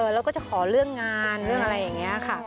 แล้วก็จะขอเรื่องงานเรื่องอะไรอย่างนี้ค่ะ